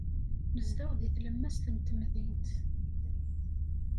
Nezdeɣ deg tlemmast n temdint.